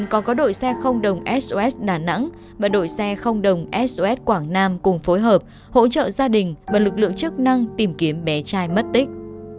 có đội xe không đồng sos đà nẵng và đội xe không đồng sos quảng nam cùng phối hợp hỗ trợ gia đình và lực lượng chức năng tìm kiếm bé trai mất tích